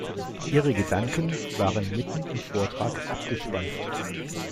Ihre Gedanken waren mitten im Vortrag abgeschweift.